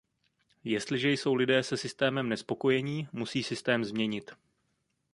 Jestliže jsou lidé se systémem nespokojení, musí systém změnit.